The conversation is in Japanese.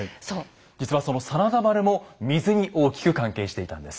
実はその真田丸も水に大きく関係していたんです。